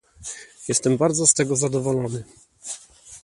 Jestem bardzo z tego zadowolony